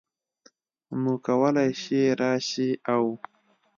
نو کولی شې راشې او